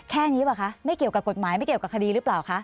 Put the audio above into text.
แค่นี้เปล่าคะไม่เกี่ยวกับกฎหมายไม่เกี่ยวกับคดีหรือเปล่าคะ